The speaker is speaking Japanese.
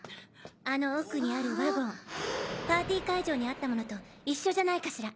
あの奥にあるワゴンパーティー会場にあったものと一緒じゃないかしら。